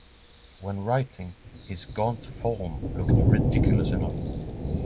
When writing, his gaunt form looked ridiculous enough.